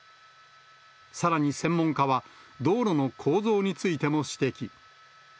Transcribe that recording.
さらに専門家は、道路の構造についても指摘。